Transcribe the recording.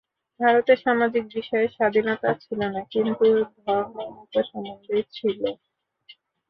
ভারতে সামাজিক বিষয়ে স্বাধীনতা ছিল না, কিন্তু ধর্মমত সম্বন্ধে ছিল।